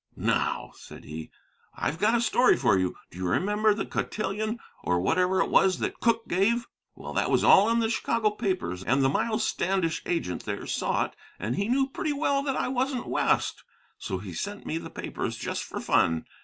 'Now,' said he, 'I've got a story for you. Do you remember the cotillon, or whatever it was, that Cooke gave? Well, that was all in the Chicago papers, and the "Miles Standish" agent there saw it, and he knew pretty well that I wasn't West. So he sent me the papers, just for fun.